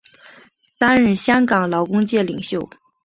担任香港劳工界领袖。